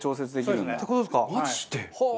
マジで？